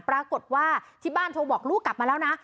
ปรากฏว่าที่บ้านโทรบอกลูกกลับมาแล้วนะ